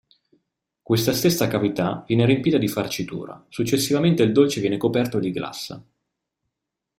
Questa stessa cavità viene riempita di farcitura; successivamente il dolce viene coperto di glassa.